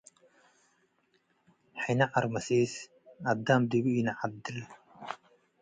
ሕነ ዐርመሲስ - አዳም ዲቡ ኢነዐድል